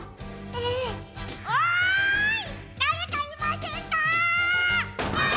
おい！